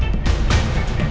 jelasin sama papa